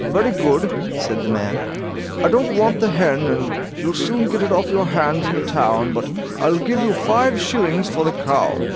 "Very good!" said the man; "I don't want the hen, and you'll soon get it off your hands in the town, but I'll give you five shillings for the cow."